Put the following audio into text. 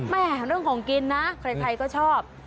เรื่องของกินนะใครก็ชอบ